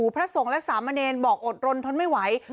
พระสงฆ์และสามเณรบอกอดรนทนไม่ไหว